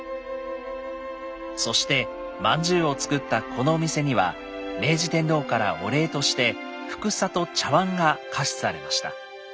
そしてまんじゅうを作ったこのお店には明治天皇からお礼としてふくさと茶わんが下賜されました。